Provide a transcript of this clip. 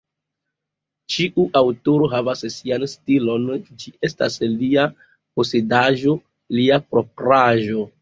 Ĉiu aŭtoro havas sian stilon, ĝi estas lia posedaĵo, lia propraĵo.